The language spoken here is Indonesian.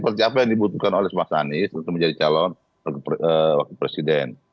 seperti apa yang dibutuhkan oleh mas anies untuk menjadi calon wakil presiden